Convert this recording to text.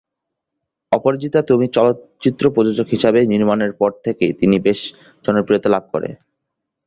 অপরাজিতা তুমি চলচ্চিত্রটি প্রযোজক হিসাবে নির্মাণের পর থেকেই তিনি বেশি জনপ্রিয়তা লাভ করেন।